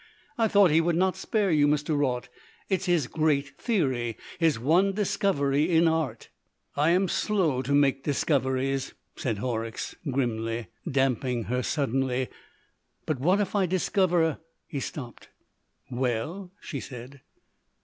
I thought he would not spare you, Mr. Raut. It's his great theory, his one discovery in art." "I am slow to make discoveries," said Horrocks grimly, damping her suddenly. "But what I discover...." He stopped. "Well?" she said.